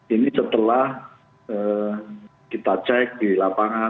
ini setelah kita cek di lapangan